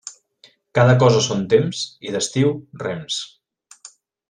Cada cosa a son temps, i d'estiu rems.